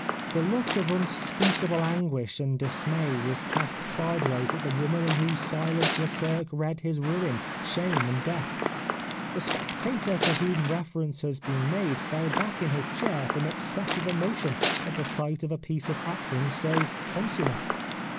The look of unspeakable anguish and dismay was cast sideways at the woman in whose silence Lesurques read his ruin, shame, and death. The spectator to whom reference has been made fell back in his chair from excess of emotion at the sight of a piece of acting so consummate.